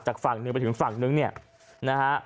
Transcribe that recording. จากฝั่งหนึ่งไปถึงฝั่งนึงเนี่ยนะฮะ